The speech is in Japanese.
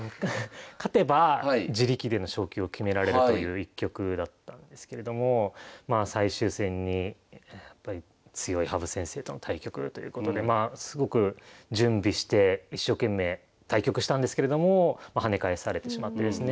勝てば自力での昇級を決められるという一局だったんですけれども最終戦に強い羽生先生との対局ということですごく準備して一生懸命対局したんですけれども跳ね返されてしまってですね